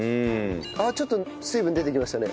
あっちょっと水分出てきましたね。